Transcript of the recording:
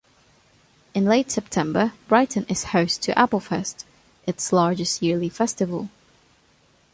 In late September, Brighton is host to Applefest, its largest yearly festival.